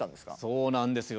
そうなんですよ。